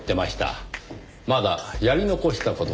「まだやり残した事がある」と。